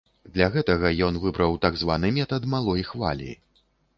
Для гэтага ён выбраў так званы метад малой хвалі.